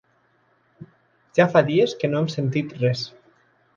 Ja fa dies que no hem sentit res.